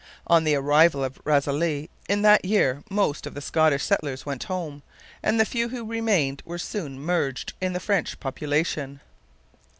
On the arrival of Razilly in that year most of the Scottish settlers went home, and the few who remained were soon merged in the French population.